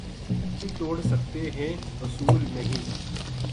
دل توڑ سکتے ہیں اصول نہیں